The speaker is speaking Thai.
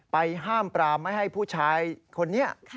ห้ามปรามไม่ให้ผู้ชายคนนี้